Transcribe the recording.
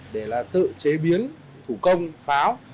để tự chế biến thủ công pháo